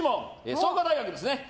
創価大学ですね。